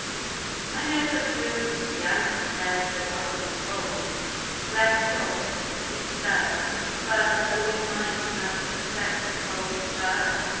I know that real Christianity cares for body and soul. Bless God, it does; but, always mind that it sets the soul FIRST.